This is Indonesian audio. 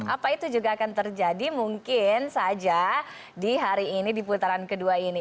apa itu juga akan terjadi mungkin saja di hari ini di putaran kedua ini